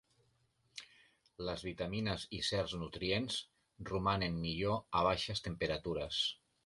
Les vitamines i certs nutrients romanen millor a baixes temperatures.